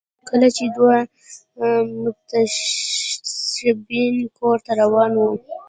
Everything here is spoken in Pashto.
کله چې دوه متشبثین کور ته روان وو